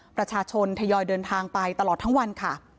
ประชาชนทยอยเดินทางไปตลอดทั้งวันค่ะ